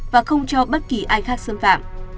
và không cho bất kỳ ai khác xâm phạm